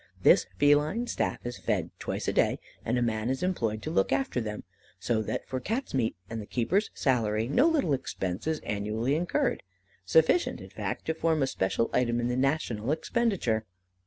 This feline staff is fed twice a day, and a man is employed to look after them, so that for Cats' meat and the keeper's salary no little expense is annually incurred, sufficient, in fact, to form a special item in the national expenditure.